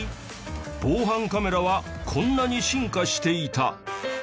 防犯カメラはこんなに進化していた。